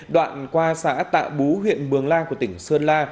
đoạn qua xã tạ bú huyện mường la của tỉnh sơn la